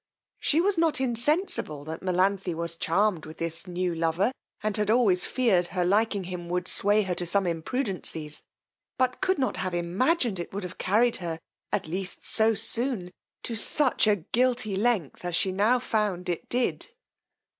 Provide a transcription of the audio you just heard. She was not insensible that Melanthe was charmed with this new lover, and had always feared her liking him would sway her to some imprudencies, but could not have imagined it would have carried her, at least so soon, to such a guilty length as she now found it did.